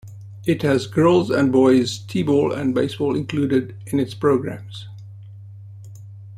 It has girls' and boys' T-ball and baseball included in its programs.